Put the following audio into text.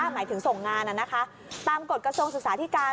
หมายถึงส่งงานตามกฎกระทรวงศึกษาธิการ